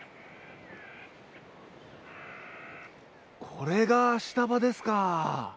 これがアシタバですか。